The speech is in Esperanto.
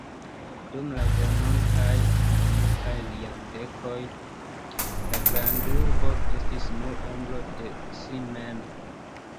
Dum la venontaj malmultaj jardekoj la grandurbo estis nur ombro de si mem.